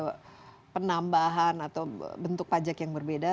bukan untuk penambahan atau bentuk pajak yang berbeda